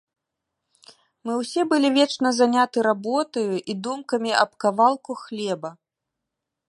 Мы ўсе былі вечна заняты работаю і думкамі аб кавалку хлеба.